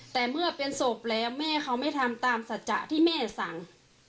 แต่เมื่อเป็นศพแล้วแม่เขาไม่ทำตามสัจจะที่แม่สั่ง